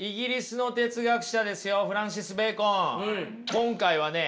今回はね